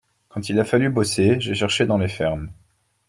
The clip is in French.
Quand il a fallu bosser, j’ai cherché dans les fermes.